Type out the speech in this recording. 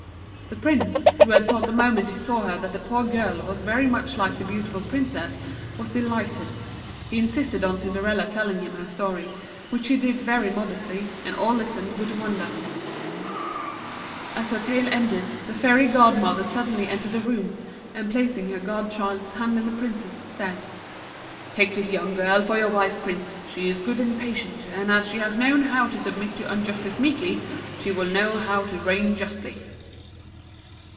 The Prince, who had thought the moment he saw her that the poor girl was very much like the beautiful Princess, was delighted. He insisted on Cinderella telling him her story, which she did very modestly, and all listened with wonder. [Illustration: CINDERELLA TRIES ON THE SLIPPER.] As her tale ended, the Fairy godmother suddenly entered the room, and placing her godchild's hand in the Prince's, said: "Take this young girl for your wife, Prince; she is good and patient, and as she has known how to submit to injustice meekly, she will know how to reign justly."